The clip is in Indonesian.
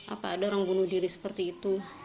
apa ada orang bunuh diri seperti itu